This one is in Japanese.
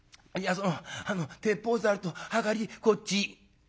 そのあの鉄砲ざるとはかりこっち」。